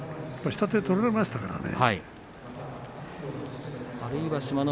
下手が取られましたからね。